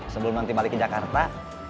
sebelum nanti balik ke jakarta